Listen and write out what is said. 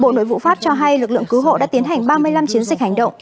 bộ nội vụ pháp cho hay lực lượng cứu hộ đã tiến hành ba mươi năm chiến dịch hành động